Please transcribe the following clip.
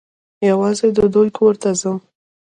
یوازي د دوی کور ته ځم .